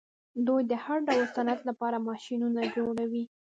دوی د هر ډول صنعت لپاره ماشینونه جوړوي.